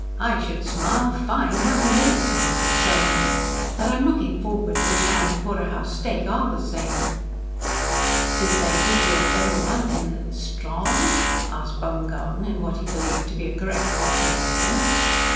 I should smile! Fine wasn't in it," answered Selden. "But I'm looking forward to a Shandy porterhouse steak, all the same." "Did they give you a better one in the Strawnd?" asked Baumgarten, in what he believed to be a correct Cockney accent.